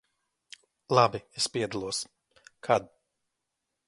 Labi, es piedalos. Kad?